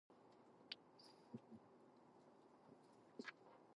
The venue was originally named, "The Apollo of Temple".